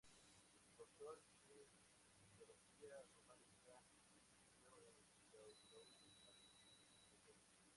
Doctor en Filología Románica, residió en Toulouse, París y Bruselas.